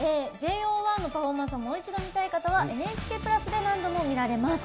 ＪＯ１のパフォーマンスをもう一度見たい方はＮＨＫプラスで何度も見られます。